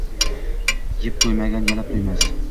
Yeb to’ymagan-yalab to’ymas.